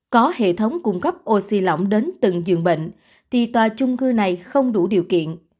có hệ thống cung cấp oxy lỏng đến từng giường bệnh thì tòa chung cư này không đủ điều kiện